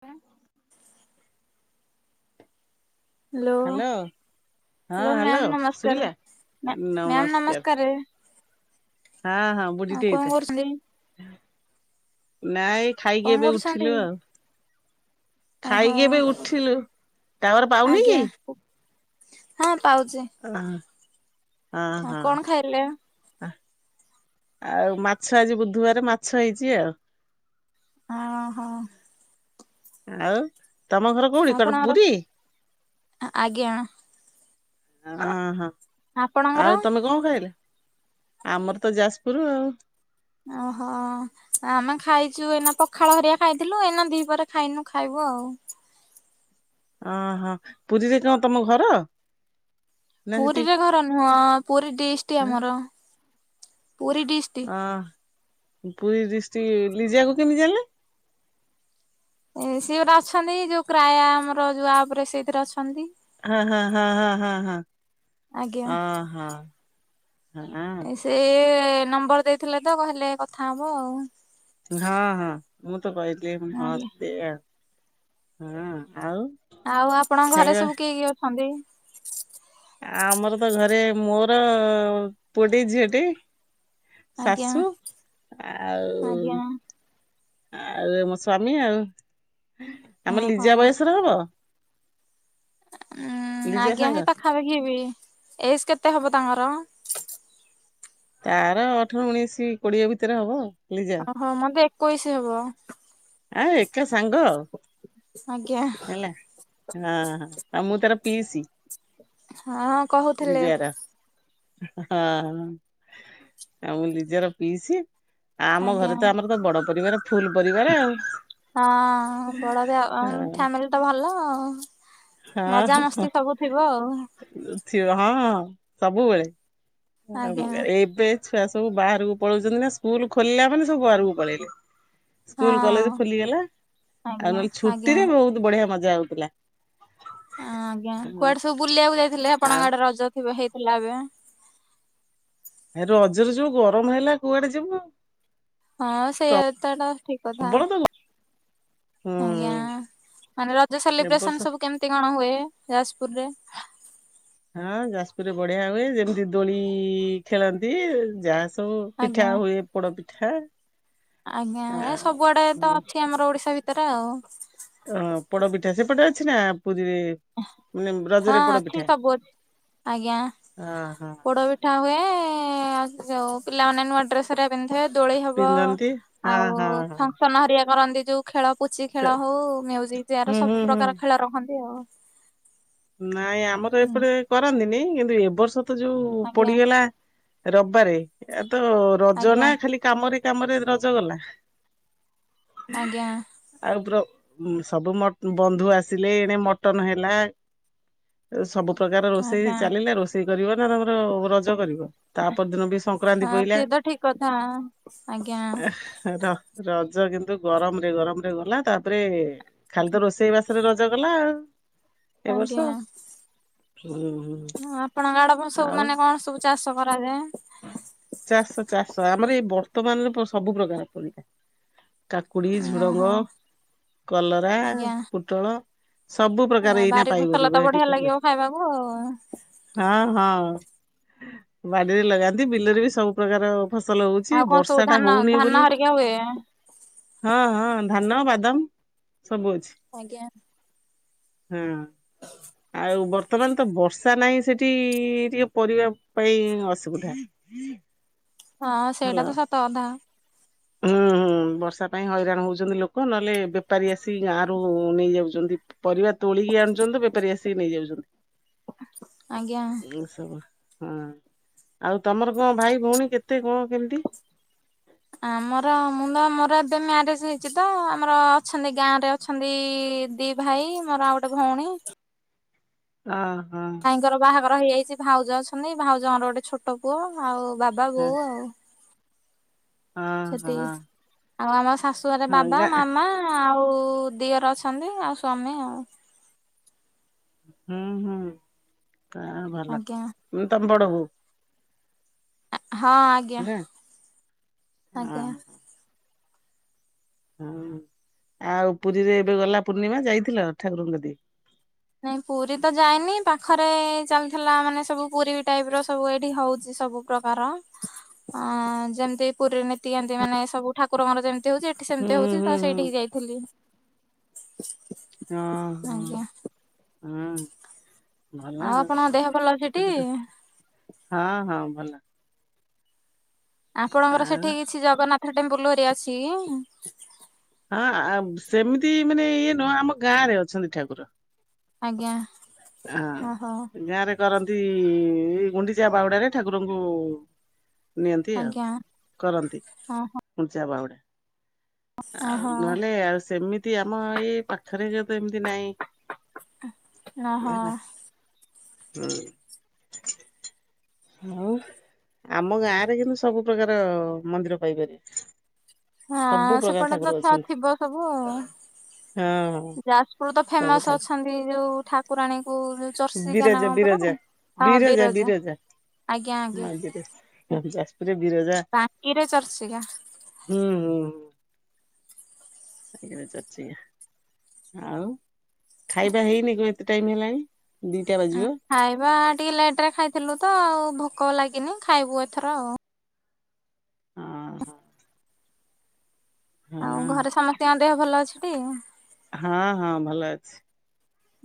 ହ ହ୍ୟାଲୋ ହଁ hello hello ma'am ଶୁଭିଲା? ନମସ୍କାର ମ୍ୟାାମ ନମସ୍କାର ହଁ ହଁ ବୁଢ଼ୀ କଣ ଟଥା କରୁଛନ୍ତି ନାଇଁ ଖାଇକି କଣ ଏବେ କରୁଛନ୍ତି? ଉଠିଲୁ ଆଉ ଓହୋ ଖାଇକି ଏ ବି ଉଠିଲୁ ତାପର ପାଉନି କି ଆଜ୍ଞା ହଁ ପାଉଛିେ ହଁ ହଁ ଆଉ ମାଛ ଆଜି ବୁଧବାର, ମାଛ ହେଇଛି ଆଉ। ଓ ହୋ। ଆଉ ତମ ଘର କୋଉଠି କଣ, ଆପଣଙ୍କର ପୁରୀ? ଆଜ୍ଞା ହଁ ହଁ। ଆପଣଙ୍କର? ଆଉ ତମେ କଣ, ଖାଇଲେ? ଆମର ତ ଯାଜପୁର ଆଉ। ଓହୋ। ଆମେ ଖାଇଛୁ ଏଇନା ପଖାଳ ହରିଆ ଖାଇଥିଲୁ। ଏଇନା ଦି ପରେ ଖାଇନୁ ଖାଇବୁ। ହଉ। ଅହୋ। ପୁରୀରେ କଣ ତମ ଘର? ନା ସେଠି ପୁରୀରେ ଘର ନୁହଁ। ପୁରୀ ଡିଷ୍ଟ ଆମର। ପୁରୀ ଡିଷ୍ଟଟିକ୍। ଅ ପୁରୀ ଡିଷ୍ଟ୍ରିକ୍ ଲିଜାକୁ କେମିତି ଜାଣିଲେ? ଇ ସିଏ ପା ଅଛନ୍ତି। ଯୋଉ କ୍ରାୟା ଆମର ଯୋଉ ଆପ ରେ ସେଇଥିରେ ଅଛନ୍ତି। ହ- ହ- ହ -ହ- ହ- ହ ଆଜ୍ଞା। -ହ -ହ ସେ ନମ୍ବର ଦେଇଥିଲେ ତ, କହିଲେ କଥା ହବ ଆଉ। ହଁ ହଁ ମୁଁ ତ କହିଲି, ହଁ ଆଜ୍ଞା ଦେ ଆଉ। ହଁ। ଆଉ ଆଉ ଆପଣଙ୍କ ଘରେ ଖାଇବା ସବୁ କିଏ, କିଏ ଅଛନ୍ତି? ଆମର ତ ଘରେ, ମୋର ପୁଅ ଟିଏ ଝିଅ ଟିଏ। ଆଜ୍ଞା ଶାଶୁ ଆଜ୍ଞା ଆଉ ଆଉ ମୋ ସ୍ଵାମୀ ଆଉ। ଆମ ଓହୋ ଲିଜା ବୟସର ହବ? ଉଁ ଲିଜା ଆଜ୍ଞା, ସେ ସାଙ୍ଗ ପାଖାପାଖି ହେବି। ଏଜ କେତେ ହବ? ତାମର? ତାର ଅଠର ଉଣେଇଶି କୋଡିଏ ଭିତରେ ହବ। ଲିଜା ଓହୋ। ମତେ ଏକୋଇଶି ହବ। ଆ'ଏକା ସାଙ୍ଗ ଆଉ। ଆଜ୍ଞା ହେଲା। ହାଁ ହାଁ। ମୁଁ ତାର ପିଇସି। ହଁ କହୁଥିଲେ। ହା-ହା-ହା, ଆ ମୁ ନିିଜର ପିଇଛି। ଆ-ଆମ ଆଜ୍ଞା। ଘରେ ତ, ଆମର ତ ବଡ ପରିବାର। ଫୁଲ ପରିବାର ଆଉ। ହଁ, ବଡ ତ ହଁ ଫ୍ୟାମିଲି ତ ଭଲ ଆଉ। ହଁ ମଜା ମସ୍ତି ସବୁ ଥିବ ଆଉ। ସିଏ ହଁ, ସବୁବେଳେ, ଆଜ୍ଞା ଏବେ ଛୁଆ ସବୁ ବାହାରକୁ ପଳଉଛନ୍ତି ନା। ସ୍କୁଲ ଖୋଲିଲା ମାନେ ସବୁ ବାହାରକୁ ପଳେଇଲେ। ହଁ ସ୍କୁଲ କଲେଜ ଖୋଲିଗଲା। ଆଉ ଆଜ୍ଞା ନହେଲେ ଛୁଟି ଆଜ୍ଞା। ରେ, ବହୁତ ବଢିଆ ମଜା ହଉଥିଲା। ଆଜ୍ଞା। ହଁ କୁଆଡେ ସବୁ ବୁଲିବାକୁ ଯାଇଥିଲେ? ଆଉ ଆପଣଙ୍କ ଆଡେ ରଜ ଥିବ। ହେଇ ହେଲାବେ ରଜରେ ଯୋଉ ଗରମ ହେଲା, କୁଆଡେ ଯିବୁ। ହଁ ସେଇଆ ଏତଟା ଠିକ କଥା। ପ୍ରବଳ ତ ହୁଁ ଆଜ୍ଞା। ମାନେ ରଜ ଏ ବର୍ଷ ସେଲିବ୍ରେସନ ସବୁ କେମିତି କଣ ହୁଏ? ଯାଜପୁରରେ? ହଁ ଯାଜପୁରରେ ବଢିଆ ହୁଏ। ଯେମିତି ଦୋଳି ଖେଳନ୍ତି। ଯା ସବୁ ଆଜ୍ଞା ପିଠା ହୁଏ। ପୋଡ ପିଠା। ଆଜ୍ଞା ଏ ଆଉ ସବୁଆଡେ ତ ଅଛି, ଆମ ଓଡିଶା ଭିତରେ ଆଉ। ଓ ପୋଡପିଠା ସେପଟେ ଅଛି ନା? ପୁରୁରୀରେ ମାନେ ହଁ ରଜରେ ପୋଡ ଅଛି ପିଠା? ସବୁ ଅଛି ଆଜ୍ଞା। ପୋଡ ପିଠା ହୁଏ ଆ-ଯୋଉ ପିଲାମାନେ ନୂଆ ଡ୍ରେସ ରେ ପିନ୍ଧିବ ଦୋଳି ହବ ପିନ୍ଧନ୍ତି ହଁ ଆଉ ହଁ ହଁ ଫଙ୍କସନ ହରିଆ କରନ୍ତି। ଯୋଉ ଖେଳ ପୁଚି କେ ଖେଳ ହଉ, ମ୍ୟୁଜିକ୍ ଚେୟାର ହୁଁ ହୁଁ ସବୁ ହୁଁ। ପ୍ରକାର ଖେଳ ରଖନ୍ତି, ଆଉ। ନାଇଁ ଆମର ହୁଁ ଏପଟେ କରନ୍ତିନି। କିନ୍ତୁ ଏବ ବର୍ଷ ତ ଯୋଉ ଆଜ୍ଞା ପଡିଗଲା ରବିବାରେ, ଏ ତ ରଜ ଆଜ୍ଞା। ନା ଖାଲି କାମରେ କାମରେ ରଜ ଗଲା। ଆଜ୍ଞା ଆଉ ବ୍ର ଉଁ ସବୁ ମ ବନ୍ଧୁ ଆସିଲେ ଏଣେ ମଟନ ହେଲା ସବୁ ପ୍ରକାର ରୋଷେଇ ଆଜ୍ଞା ଚାଲିଲେ ରୋଷେଇ କରିବ ନା ତମର ରଜ କରିବ। ତାପର ଦିନ ବି ସଂକ୍ରାନ୍ତି ଆଉ ପଇିଲା ସିଏ ତ ଠିକ କଥା ଆଜ୍ଞା। ଏହେଁ ର ର ଜ କିନ୍ତୁ ଗରମ ରେ ଗରମ ରେ ଗଲା ତାପରେ ଖାଲି ତ ରୋଷେଇ ବା ରେ ରଜ ଗଲା ଆଉ। ଏ ବର୍ଷ ଆଜ୍ଞା ହୁଁ ହଁ ଆପଣଙ୍କ ଆ ଡେ ଆପଣ ସବୁ ଆଉ ମାନେ କଁ ସବୁ ଚାଷ କରାଯାଏ। ଚାଷ ଚାଷ ଆମର ଏଇ ବର୍ତ୍ତମାନରେ ପ ସବୁ ପ୍ରକାର ପରିବା। କାକୁଡ଼ି ଝୁଡ଼ଙ୍ଗ ଓହୋ କଲରା ଆଜ୍ଞା ପୋଟୋଳ। ସବୁ ପ୍ରକାର ଏଇନା ବାରି ଫସଲ ତ ପାଇପାରିବ ଏଠି ବଢିଆ ପରିବା ଲାଗିବ ଖାଇବାକୁ ଆଉ। ହଁ ହଁ। ବାଡିରେ ଲଗାନ୍ତି ବିଲରେ ବି ସବୁ ପ୍ରକାର ଫସଲ ହୋଉଚି ଆଉ କଣ ସବୁ ବର୍ଷା ଟା ଧାନ ହୋଉନେଇ ଧାନ ବୋଲି ହରିକା ହୁଏ ହଁ ହଁ ଧାନ ବାଦାମ। ଆଜ୍ଞା। ହୁଁ। ଆଉ ବର ବର୍ତ୍ତମାନ ତ ବର୍ଷା ନାହିଁ ସେଠି ଟିକେ ପରିବା ପାଇଁ ଅସୁବିଧା। ହଁ ସେଇଡ଼ା ହ୍ୟାଲୋ ତ ସତକଥା। ହୁଁ ବର୍ଷା ପାଇଁ ହଇରାଣ ହୋଉଛନ୍ତି ଲୋକୋ ନହେଲେ ବେପାରୀ ଆସିକି ଗାଁରୁ ନେଇଯାଉଚନ୍ତି ପରିବା ତୋ ଳିକି ଆଣୁଚନ୍ତି ବେପାରୀ ଆସିକି ନେଇ ଯାଉଚନ୍ତି ଆଜ୍ଞା। ଏ ସବୁ। ହଁ ଆଉ ତମର କଁ ଭାଇ ଭଉଣୀ କେତେ କଁ କେମିତି? ଆମର ମୁଁ ତ ଆମର ଏବେ ମ୍ୟାରେଜ ହେଇଛି ତ ଆମର ଅଛନ୍ତି ଗାଁ ରେ ଅଛନ୍ତି ଦି ଭାଇ ମୋର ଆଉ ଗୋଟେ ଭଉଣୀ। ଅଁ। ଭାଇଙ୍କର ବାହାଘର ହେଇଯାଇଚି ଭାଉଜ ଅଛନ୍ତି ଭାଉଜଙ୍କର ଗୋଟେ ଛୋଟୋ ପୁଅ ଆଉ ବାବା ହଁ ବୋଉ ଆଉ। ହଁ ହଁ। ସେତିକି ଆଉ ଆମ ଶାଶୁଘରେ ହଁ ବାବା ଗାଁ ମାମା ଆଉ ଦିଅର ଅଛନ୍ତି ଆଉ ସ୍ଵାମୀ ଆଉ। ହୁଁ ହୁଁ ଆଁ ଭଲ ଆଜ୍ଞା ଉଁ ତମେ ବଡ ବୋଉ। ହଁ ଆଜ୍ଞା ନା ଆଜ୍ଞା। ହୁଁ ଆଉ ପୁରୀରେ ଏବେ ଗଲା ପୂର୍ଣ୍ଣିମା ଯାଇଥିଲ ଠାକୁରଙ୍କ କତିକି? ନାଇଁ ପୁରୀ ତ ଯାଇନି ପାଖରେ ଚାଲିଥିଲା ମାନେ ସବୁ ପୁରୀ ବି ଟାଇପର ସବୁ ଏଇଠି ହଉଚି। ସବୁ ପ୍ରକାର ଅଁ ଯେମିତି ପୁରୀ ନି ନ୍ତୀ ଏନ୍ତି ମାନେ ସବୁ ଠାକୁରଙ୍କର ଯେମିତି ହୋଉଚି ଏଠି ସେମିତି ହୁଁ ହୋଉଚି ହୁଁ ତ ହୁଁ। ସେଇଠି ଯାଇଥିଲି। ଅହଁ ଆଜ୍ଞା ହଁ। ଆଉ ଆପଣଙ୍କ ଦେହ ଭଲ ଅଛି ଟି। ସେଠି ତ ହଁ ହଁ ଭଲ। ଆପଣଙ୍କର ଆଉ ସେଠି କିଛି ଜଗନ୍ନାଥ ଟେମ୍ପୁଲ ହେରିକା ଅଛି କି? ହଁ ଆବ ସେମିତି ମାନେ ଇଏ ନୁହଁ ଆମ ଗାଁରେ ଅଛନ୍ତି ଠାକୁର। ଆଜ୍ଞା। ଓହୋ ଅହଁ ଗାଁରେ କରନ୍ତି ଏଇ ଗୁଣ୍ଡିଚା ବାହୁଡ଼ାରେ ଠାକୁରଙ୍କୁ ନିଅନ୍ତି ଆଉ ଆଜ୍ଞା କରନ୍ତି ଓହୋ ଗୁଣ୍ଡିଚା ବାହୁଡ଼ା। ଓହୋ ଆଉ ନହେଲେ ଆଉ ସେମିତି ଆମ ଏଇ ପାଖରେ ଯୋଉ ତ ଏମିତି ନାଇଁ। ହଁ। ହେଲା ହୁଁ। ଆଉ ଆମ ଗାଁରେ କିନ୍ତୁ ସବୁ ପ୍ରକାର ମନ୍ଦିର ପାଇପାରିବେ। ହଁ ସବୁ ପ୍ରକାର ସେପଟେ ଠାକୁର ତ ଥା ଅଛନ୍ତି ଥିବ ସବୁ ଆଉ। ହଁ ହଁ ଯାଜପୁର ତ ସବୁ ଫେମସ ଠାକୁର ଅଛନ୍ତି ଯୋଉ ଠାକୁରାଣୀ କୁ ଉ ଚର୍ଚ୍ଚିକା ନା ବିରଜା ପରା ବିରଜା ହଁ ବିରଜା ଆଜ୍ଞା ଆଜ୍ଞା। ପୁରା ବିରଜା ବାଙ୍କିରେ ଚର୍ଚିକା। ହୁଁ ହୁଁ ହଁ। ୍ [unintelligible] ଆଉ, ଖାଇବା ହେଇନି କଣ? ଏତେ ଟାଇମ୍ ହେଲାଣି? ଦିଟା ବାଜିବ ଖାଇବା ଟିକେ ଲେଟ ରେ ଖାଇଥିଲୁ। ତ ଆଉ ଭୋକ ଲାଗିନି ଖାଇବୁ ଏଥର ଆଉ। ହ ହୋ। ଆଉ ଘରେ ସମସ୍ତଙ୍କ ଦେହ ଭଲ ଅଛି? ହଁ ହଁ ଭଲ ଅଛି।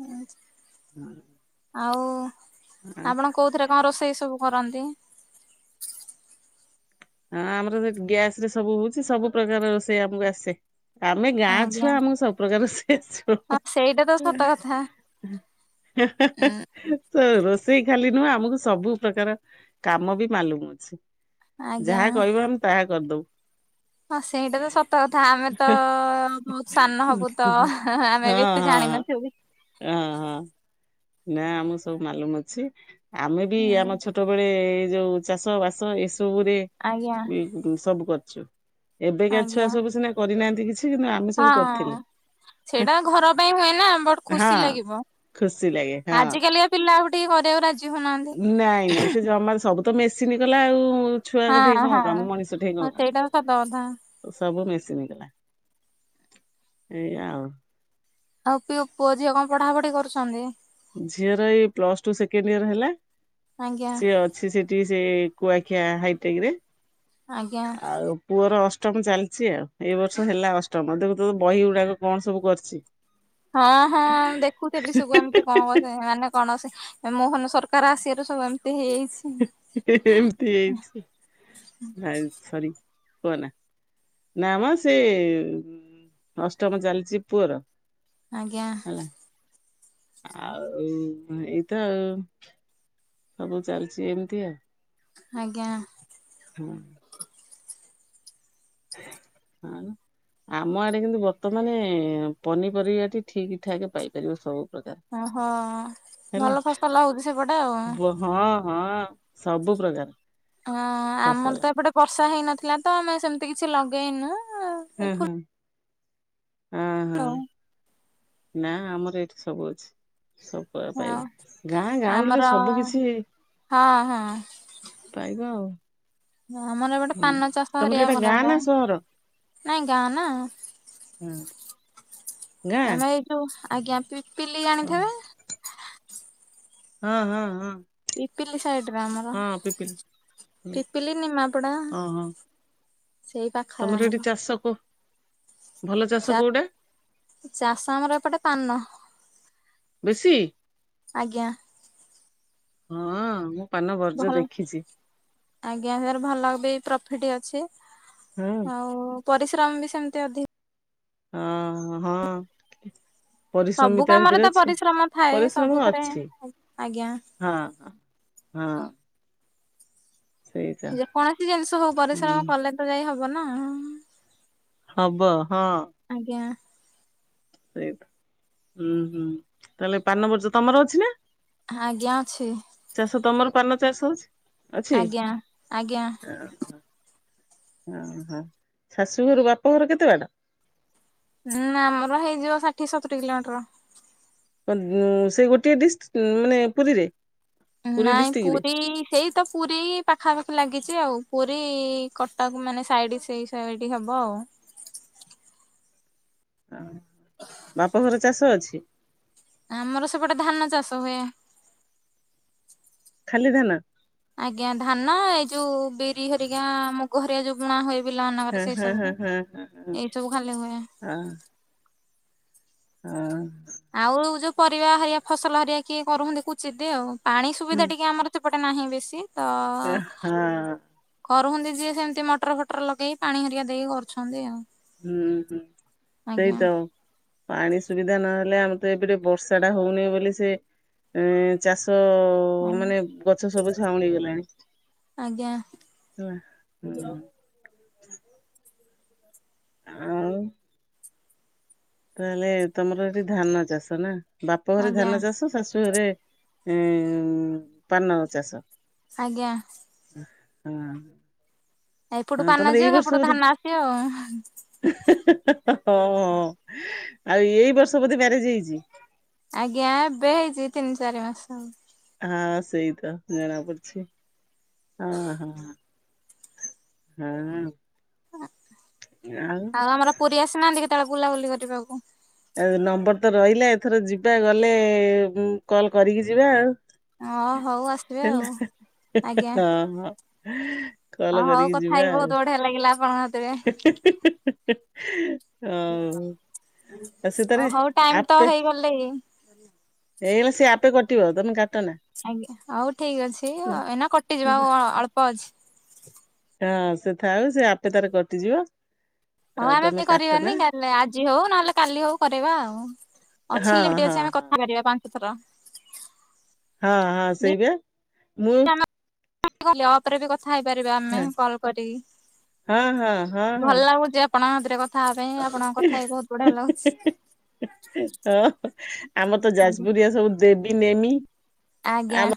ଆଁ ହୁଁ ଆଉ ଆପଣ କୋଉଥିରେ କଣ ରୋଷେଇ ସବୁ କରନ୍ତିି? ହଁ ଆମର ସେ ଗ୍ୟାସ ରେ ସବୁ ହଉଛି ସବୁ ପ୍ରକାର ରୋଷେଇ ଆମକୁ ଆସେ। ଆମେ ଗାଁ ଆଜ୍ଞା ଛୁଆ ଆମକୁ ସବୁପ୍ରକାର ରେଷେଇ ଆସିବ। ହଁ ସେଇଟା ତ ହେଁ ସତ କଥା ହେଁ ହେଁ ହେଁ। ସେ ରୋଷେଇ ଖାଲି ନୁହଁ ଆମକୁ ସବୁ ପ୍ରକାର କାମ ବି ମାଲୁମ ଅଛି। ଯାହା ଆଜ୍ଞା। କହିବ ଆମେ ତାହା କରିଦବୁ। ହଁ ସେଇଟା ତ ସତ କଥା ଆମେ ତ ବହୁତ ସାନ ହବୁ ତ ଆମେ ବି ଏତେ ଜାଣିନୁ। ନା ଥିବୁ। ଆଜ୍ଞା। ନା ଆମଁ ସବୁ ମାଲୁମ ଅଛି ଆମେ ବି ହୁଁ ଆମ ଛୋଟ ବେଳେ ଏ ଯୋଉ ଚାଷ ବାସ ଏସବୁରେ ଆଜ୍ଞା ଇ ସବୁ କରିଛୁ। ଏବେକା ଛୁଆ ଆଜ୍ଞା ସବୁ ସିନା କରିନାହାନ୍ତି କିଛି କିନ୍ତୁ ଆମେ ସବୁ କରିଥିଲୁ। ହଁ। ସେଇଟା ଘର ପାଇଁ ହୁଏ ନା ବଟ ହଁ ଖୁସି ଲାଗିବ ଖୁସି ଲାଗେ ହଁ। ଆଜିକାଲିକା ପିଲା ଗୋ ଟି ହରେଇବାକୁ ରାଜି ହଉନାହାନ୍ତି। ନାଇଁ ନାଇଁ ସେ ଜମା ସବୁ ତ ମେସିନ କଲା ଆଉ। ଛୁଆ ଙ୍କଠି ହଁ କଣ ହଁ। କାମ ମଣିଷ ଠିକ ହଁ କଣ ସେଇଟା ସତ କଥା କାମ ସବୁ ମେସିନ୍ ହେଇ ଗଲା ଏୟା ଆଉ। ଆଉ ପିଅ ପୁଅ ଝିଅ କଣ ପଢାପଢି କରୁଛନ୍ତି? ଝିଅର ଏଇ ପ୍ଲସ ଟୁ ସେକେଣ୍ଡ ଇୟର ହେଲା ଆଜ୍ଞା ସିଏ ଅଛି ସେଠି ସେ କୁଆଖିଆ ହାଇଟେକ ରେ। ଆଜ୍ଞା ଆଉ ପୁଅର ଅଷ୍ଟ ଅଷ୍ଟମ ଚାଲିଛି ଆଉ ଏଇ ବର୍ଷ ହେଲା ଅଷ୍ଟମ ଦେଖୁ ତ ବହି ଗୁଡାକ କଣ ସବୁ କରିଛି? ହଁ ହଁ ଦେଖୁଥିଲି ସବୁ ଏମତି କଣ [unintelligible] ମାନେ କଣ ସେ ମୋହନ ସରକାର ଆସି ଗଲେ ସବୁ ଏମିତି ହେଇଯାଇଛି [unintelligible] ଏମତି ଏଇ ନ ସରି। କୁହନା ନାମ ସେ ଅଷ୍ଟମ ଚାଲିଛି ପୁଅର। ଆଜ୍ଞା। ହେଲା ଆଉ ଏଇତ ଆଉ ସବୁ ଚାଲିଛି ଏମିତି ଆଉ। ଆଜ୍ଞା। ହଁ [inaudible] ହଁ। ଆମ ଆଡେ କିନ୍ତୁ ବର୍ତ୍ତମାନେ ପନିପରିବାଟି ଠିକ ଠାକ ପାଇପାରିବ ସବୁ। ପ୍ରକାର ଓହୋ ହେଲା ଭଲ ଫସଲ ହଉଛି ସେପଟେ ଆଉ। ବ- ହଁ ହଁ ସବୁ ପ୍ରକାର। ହଁ ଆମର ଫସଲ ତ ଏପଟେ ବର୍ଷା ହେଇନଥିଲା ତ ଆମେ ସେମିତି କିଛି ଲଗେଇନୁ। ଏଇ ହୁଁ ଫୁଲ ହୁଁ। ହଁ ହଁ ଆଉ ନା ଆମର ଏଇଠି ସବୁ ଅଛି। ସବୁ [unintelligible] ହଁ ପାଇବ ଗାଁ ଗାଁଉଳି ଆମର ରେ ସବୁ କିଛି ହଁ ହଁ ପାଇବ ଆଉ। ଆମର ଏପଟେ ହୁଁ। ପାନ ଚାଷ ତମର ହେରିଆ ଏଇଟା ଗାଁ ନା ସହର କରାଯାଏ। ନାଇଁ ଗାଁ ନା। ଗାଁ ଆମେ ଏଇ ଯୋଉ ଆଜ୍ଞା ପିପିଲି ଜାଣିଥିବେ? ହଁ ହଁ ହଁ। ସାଇଡି ରେ ଆମର ହଁ ପିପିଲି ହୁଁ ପିପିଲି ନିମାପଡ଼ା। ହଁ ହଁ ତମର ହେଟି ଚାଷ କ ଚା ଚାଷ ଆମର ଏପଟେ ପାନ। ବେଶୀ। ଆଜ୍ଞା। ହଁ ମୁଁ ପାନ ବର୍ଜ ଭଲ ଦେଖିଛି ଆଜ୍ଞା [unintelligible] ର ଭଲ ବି ପ୍ରଫିଟି ଅଛି। ହଁ ଆଉ ପରିଶ୍ରମ ବି ସେମିତି ଅଧି ହଁ ହଁ। ପରିଶ୍ରମ ସବୁ ବି ତା କାମରେ ଭିତରେ ତ ଅଛି ପରିଶ୍ରମ ଥାଏ ପରିଶ୍ରମ ସବୁଥିରେ ଅଛି। ଆଜ୍ଞା ହଁ ହଁ। ସେଇଟା ଯେ କୌଣସି ଜିନିଷ ହଉ ହୁଁ। ପରିଶ୍ରମ କଲେ ତ ଯାଇ ହବ ନା। ହବ ହଁ। ଆଜ୍ଞା [unintelligible] ହୁଁ ହୁଁ ତାହେଲେ ପାନ [unintelligible] ତମର ଅଛି ନା? ହଁ ଆଜ୍ଞା ଅଛି। ଚାଷ ତମର ପାନ ଚାଷ ହଉଚି ଅଛି। ଆଜ୍ଞା ଆଜ୍ଞା। ଓହୋ ଶାଶୁ ଘରୁ ବାପା ଘର କେତେ ବାଟ? ନାଁ ଆମର ହେଇଯିବ ଷାଠିଏ ସତୁରି କିଲୋମିଟର। ସେଇ ଗୋଟିଏ ଡିଷ୍ଟି ମାନେ ପୁରୀରେ। ପୁରୀ ନାଇଁ ଡିଷ୍ଟ୍ରିକ୍ଟରେ ପୁରୀ ସେଇ ତ ପୁରୀ ପାଖା ପାଖି ଲାଗି ଚି ଆଉ ପୁରୀ କଟକ ମାନେ ସାଇଡ଼ି ସେଇ ସାଇଡି଼ ହବ ଆଉ। [inaudible] ବାପଘର ଚାଷ ଅଛି? ଆମର ସେପଟେ ଧାନ ଚାଷ ହୁଏ। ଖାଲି ଧାନ? ଆଜ୍ଞା ଧାନ ଏଇ ଯୋଉ ବିରି ହେରିକା ମୁଗ ହେରିକା ଯୋଉ ବୁଣା ହୁଏ। ପିଲା ହଁ [unintelligible] ସେଇ ହଁ ହଁ ସବୁ ହଁ ହଁ ଏଇଟି ସବୁ ଖାଲି ହୁଏ। ଆଁ ଆଉ ଯୋଉ ପରିବା ହେରିଆ ଫସଲ ହେରିଆ କିଏ କରୁଚନ୍ତି କୁଚିତ୍ ଆଉ ପାଣି ହୁଁ ସୁବିଧା ଟିକେ ଆମର ତ ଏପଟେ ନାହିଁ ବେଶୀ। ତ [unintelligible] ହଁ। କରୁଛନ୍ତି ଯିଏ ଯେମିତି ମଟର ଫଟର ଲଗେଇକି ପାଣି ହେରିଆ ଦେଇକି କରୁଛନ୍ତି ଆଉ। ହୁଁ ହୁଁ ସେଇ ଆଜ୍ଞା ତ ପାଣି ସୁବିଧା ନହେଲେ ଆମେ ତ ଏପଟେ ବର୍ଷା ଟା ହଉନି ବୋଲି ସେ ଚାଷ [unintelligible] ଆଜ୍ଞା ମାନେ ଗଛ ସବୁ ଝାଉଁଳି ଗଲାଣି। ଆଜ୍ଞା। [unintelligible] ହୁଁ। ଆଉ। ତାହେଲେ ତମର ଏଠି ଧାନ ଚାଷ ନା ବାପ ଘରେ ଆଜ୍ଞା ଧାନ ଚାଷ ଶାଶୁ ଶାଶୁ ଘରେ ଏଁ ପାନ ଚାଷ। ଆଜ୍ଞା। ହୁଁ। ଏପଟୁ ପାନ ଯିବ ସେପଟୁ ଧାନ ଆସିବ ଆଉ। ହଁ ହ ଆଉ ଏଇ ବର୍ଷ ବୋଧେ ମ୍ୟାରେଜ ହେଇଚି। ଆଜ୍ଞା ଏବେ ହେଇଚି ତିନି ଚାରି ମାସେ ଆଉ। ହଁ ସେଇ ତ ଜଣା ପଡୁଛି ହଁ ହଁ। ହଁ। ଆଉ ଆମର ପୁରୀ ଆସିନାହାନ୍ତି କେତେବେଳେ ବୁଲାବୁଲି କରିବାକୁ? ଆଉ ନମ୍ବର ତ ରହିଲା ଏଥର ଯିବା ଗଲେ କଲ କରିକି ଯିବା ଆଉ। ଅ ହଉ ଆସିବେ ଆଉ। ହେଲା ଆଜ୍ଞା ହଁ। ହ କଲ ହଉ କରିକି କଥା ଯିବା ହେଇକି ବହୁତ ଆଉ। ବଢିଆ ଲାଗିଲା ଆପଣଙ୍କ ସାଥିରେ ହଉ ଆଉ ସେ ଓ ତାରେ ହଉ ଟାଇମ ତ ହେଇଗଲେ। ଏଇଲେ ସିଏ ଆପେ କଟିିବ ତମେ କା ଆଜ୍ଞା ହଉ ଠିକ ଅଛି ଏଇନା କଟିଯିବ ଆଉ ଅଳ୍ପ ଅଛି। ହଁ ସେ ଥାଉ ସେ ଆପେ ତାର କଟିଯିବ। ହଁ ଆଉ ଆମେ ତମେ ବି କାଟନା। କରିବନି କା ଆଜି ହଉ ନହେଲେ କାଲି ହଉ କରିବା ଆଉ। ହଁ ଅଛି ଲିମିଟ ହଁ ଅଛି ଆମେ ହଁ କଥା ହେଇପାରିବା ପାଞ୍ଚ ଥର। ହଁ ହଁ ବି ସେଇ ପା ମୁଁ ଆମେ ଅପରେ ବି କଥା ହେଇପାରିବା ଆମେ ହଁ କଲ୍ କରିକି ହଁ ହଁ ଭଲ ହଁ। ଲାଗୁଚି ଆପଣଙ୍କ ସାଥିରେ କଥା ହେବା ପାଇଁ ଆପଣଙ୍କ କଥା ହେଇକି ବହୁତ ବଢିଆ ଲାଗୁଛି। ହଁ ଆମର ତ ଆଜ୍ଞା ଯାଜପୁରିଆ ସବୁ ଦେବି ନେମି। ଆଜ୍ଞା।